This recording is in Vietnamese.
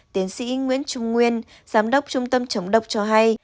tiến sĩ nguyễn trung nguyên giám đốc trung tâm chống độc cho hay